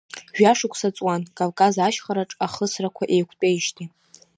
Жәашықәса ҵуан Кавказ ашьхараҿ ахысрақәа еиқәтәеижьҭеи.